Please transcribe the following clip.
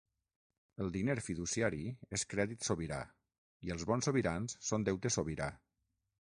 El diner fiduciari és crèdit sobirà i els bons sobirans són deute sobirà.